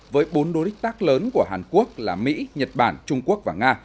với bốn đối tác lớn của hàn quốc là mỹ nhật bản trung quốc và nga